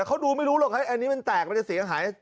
เขาดูไม่รู้หรอกครับอันนี้มันแตกมันจะเสียหาย